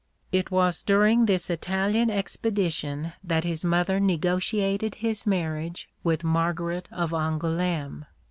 It was during this Italian expedition that his mother negotiated his marriage with Margaret of Angoulême.